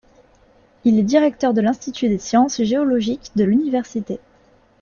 Il est directeur de l'Institut des sciences géologiques de l'Université.